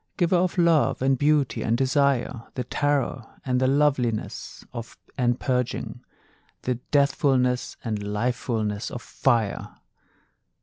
Giver of Love, and Beauty, and Desire, The terror, and the loveliness, and purging, The deathfulness and lifefulness of fire!